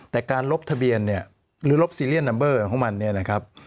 แต่การลบทะเบียนเนี่ยหรือลบซีเรียนนัมเบอร์ของมันเนี่ยนะครับ